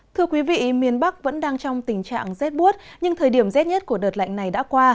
thưa quý vị miền bắc vẫn đang trong tình trạng rét buốt nhưng thời điểm rét nhất của đợt lạnh này đã qua